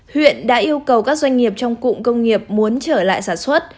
huyện đã yêu cầu các doanh nghiệp trong cụm công nghiệp muốn trở lại sản xuất